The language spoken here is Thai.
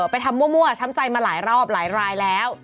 ไปทำมั่วช้ำใจมาหลายรอบหลายรายแล้ว